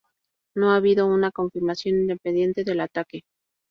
No ha habido una confirmación independiente del ataque.